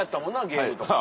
ゲームとか。